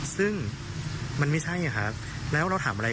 ซึ่งมันไม่ใช่ครับแล้วเราถามอะไร